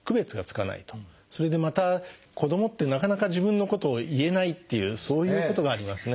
それでまた子どもってなかなか自分のことを言えないっていうそういうことがありますね。